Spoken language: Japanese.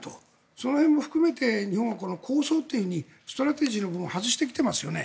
その辺も含めて日本は構想というふうにストラテジーの部分を外してきてますよね。